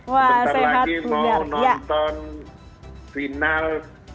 wah sehat bugar